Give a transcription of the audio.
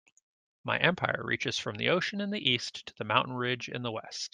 My empire reaches from the ocean in the East to the mountain ridge in the West.